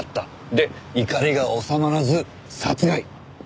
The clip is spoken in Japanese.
で怒りが収まらず殺害！